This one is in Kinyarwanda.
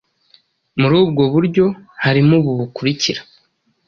muri ubwo buryo. harimo ubu bukurikira